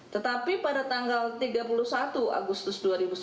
tetapi pada tanggal tiga puluh satu agustus dua ribu sembilan belas